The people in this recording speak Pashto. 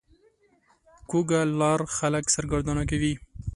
کوږه لار خلک سرګردانه کوي